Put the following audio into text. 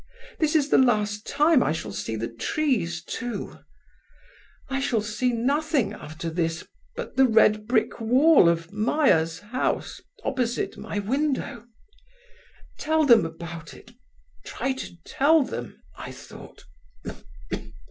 This is the last time I shall see the trees, too. I shall see nothing after this but the red brick wall of Meyer's house opposite my window. Tell them about it—try to tell them,' I thought.